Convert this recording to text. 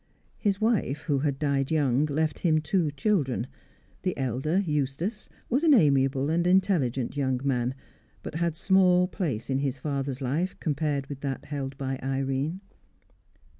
His wife, who had died young, left him two children; the elder, Eustace, was an amiable and intelligent young man, but had small place in his father's life compared with that held by Irene.